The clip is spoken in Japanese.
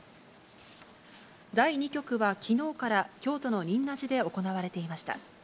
第２局はきのうから京都の仁和寺で行われていました。